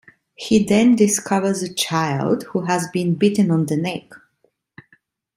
He then discovers a child who has been bitten on the neck.